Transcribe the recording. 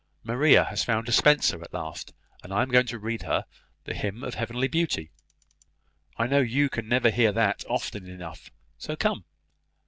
Maria has found a Spenser at last, and I am going to read her the `Hymn of Heavenly Beauty,' I know you never can hear that often enough; so come!"